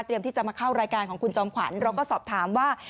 ที่จะมาเข้ารายการของคุณจอมขวัญเราก็สอบถามว่า